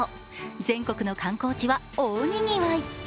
全国の観光地は大にぎわい。